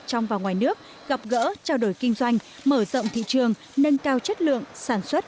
trong và ngoài nước gặp gỡ trao đổi kinh doanh mở rộng thị trường nâng cao chất lượng sản xuất